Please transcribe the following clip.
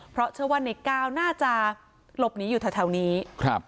เพราะเชื่อว่าในก้าวน่าจะหลบหนีอยู่แถวแถวนี้ครับ